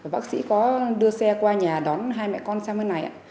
bác sĩ có đưa xe qua nhà đón hai mẹ con sang bên này ạ